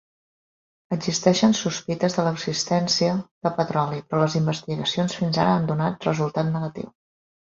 Existeixen sospites de l'existència de petroli, però les investigacions fins ara han donat resultat negatiu.